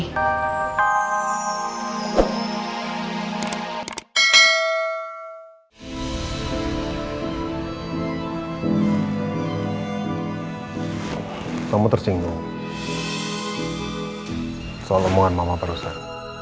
kamu tersinggung soal omongan mama perusahaan